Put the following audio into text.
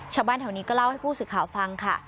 ชาวบ้านแถวนี้ก็เล่าให้ผู้สื่อข่าวฟังค่ะ